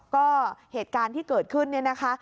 ก็เหตุการณ์ที่เกิดขึ้นเนี่ยนะคะ